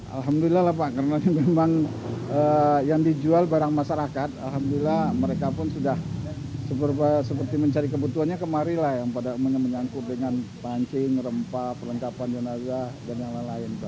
alhamdulillah lah pak karena memang yang dijual barang masyarakat alhamdulillah mereka pun sudah seperti mencari kebutuhannya kemarilah yang pada menyangkut dengan pancing rempah perlengkapan jenazah dan yang lain lain